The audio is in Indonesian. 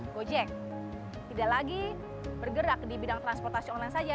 gojek tidak lagi bergerak di bidang transportasi online saja